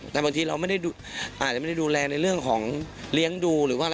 แต่บางทีเราไม่ได้ดูแลในเรื่องของเลี้ยงดูหรือว่าอะไร